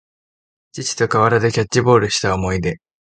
父と河原でキャッチボールした思い出